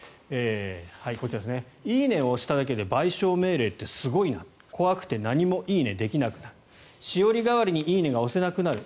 「いいね」を押しただけで賠償命令ってすごいな怖くて何も「いいね」できなくなるしおり代わりに「いいね」が押せなくなる。